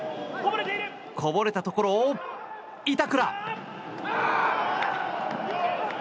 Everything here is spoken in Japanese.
こぼれたところを、板倉。